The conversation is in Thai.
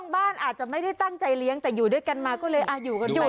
บ้านอาจจะไม่ได้ตั้งใจเลี้ยงแต่อยู่ด้วยกันมาก็เลยอยู่กันอยู่